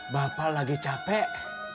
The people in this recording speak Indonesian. bapak lagi capek